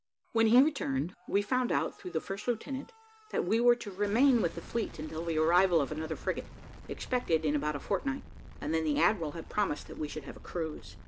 When he returned, we found out, through the first lieutenant, that we were to remain with the fleet until the arrival of another frigate, expected in about a fortnight, and then the admiral had promised that we should have a cruise.